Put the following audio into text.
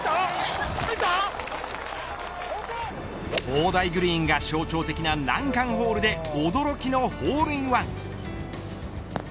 砲台グリーンが象徴的な難関ホールで驚きのホールインワン。